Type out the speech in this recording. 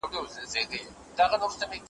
كښېنستلى كرار نه يم له چالونو `